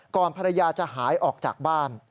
ภรรยาจะหายออกจากบ้าน